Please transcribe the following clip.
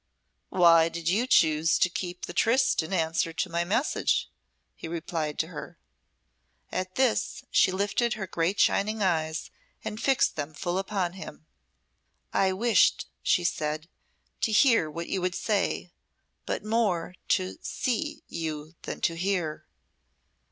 "Why did you choose to keep the tryst in answer to my message?" he replied to her. At this she lifted her great shining eyes and fixed them full upon him. "I wished," she said, "to hear what you would say but more to see you than to hear."